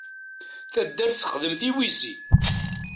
Taddart texdem tiwizi.